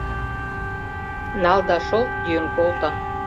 — Нал да шолт йӱын колто.